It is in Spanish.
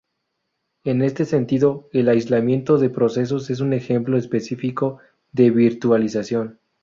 En este sentido, el aislamiento de procesos es un ejemplo específico de virtualización.